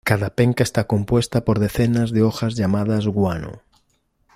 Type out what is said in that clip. Cada penca está compuesta por decenas de hojas llamadas guano.